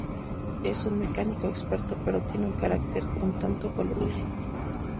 Es un mecánico experto, pero tiene un carácter un tanto voluble.